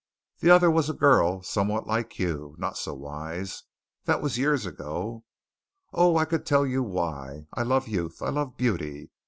The other was a girl somewhat like you. Not so wise. That was years ago. Oh, I could tell you why! I love youth. I love beauty.